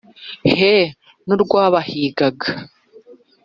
he n'urwabahigaga!